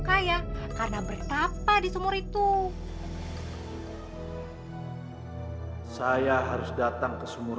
buat beli beras bu